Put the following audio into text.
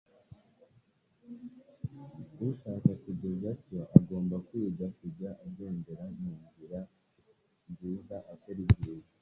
ushaka kugenza atyo agomba kwiga kujya agendera mu nzira nziza akora ibyiza.